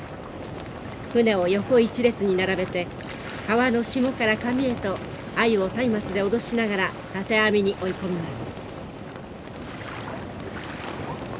舟を横一列に並べて川の下から上へとアユをたいまつで脅しながら建て網に追い込みます。